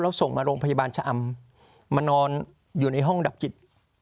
แล้วส่งมาโรงพยาบาลชะอำมานอนอยู่ในห้องดับจิต